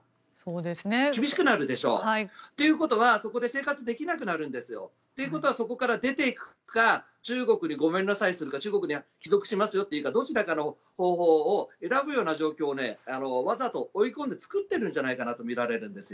厳しくなるでしょ？ということはそこで生活できなくなるんですよということはそこから出ていくか中国にごめんなさいするか中国に帰属するかというどちらかの方法を選ぶような状況をわざと追い込んで作っているんじゃないかとみられるんです。